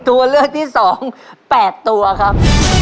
ตัวเลือดที่สองแปดตัวครับ